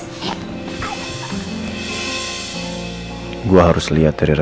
ada apa rusangnya ada apa